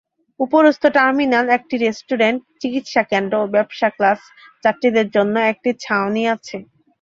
উপরন্তু, টার্মিনাল একটি রেস্টুরেন্ট, চিকিৎসা কেন্দ্র, এবং ব্যবসা ক্লাস যাত্রীদের জন্য একটি ছাউনি আছে।